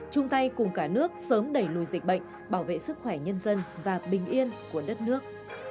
chung tay cùng cả nước sớm đẩy lùi dịch bệnh bảo vệ sức khỏe nhân dân và bình yên của đất nước